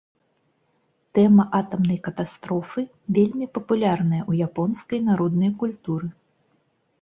Тэма атамнай катастрофы вельмі папулярная ў японскай народнай культуры.